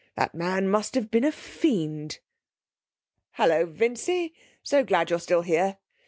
That man must have been a fiend!... 'Holloa, Vincy! So glad you're still here.